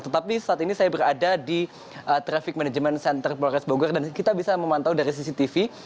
tetapi saat ini saya berada di traffic management center polres bogor dan kita bisa memantau dari cctv